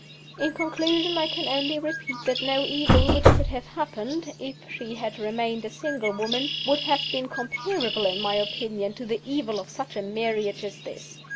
"In conclusion, I can only repeat that no evil which could have happened (if she had remained a single woman) would have been comparable, in my opinion, to the evil of such a marriage as this.